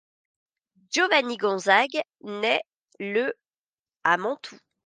Giovanni Gonzague naît le à Mantoue.